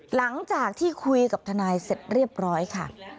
หลังจากที่คุยกับทนายเสร็จเรียบร้อยค่ะ